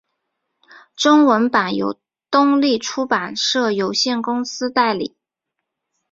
中文版由东立出版社有限公司代理。